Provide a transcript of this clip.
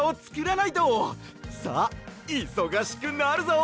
さあいそがしくなるぞ！